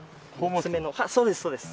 そうですそうです。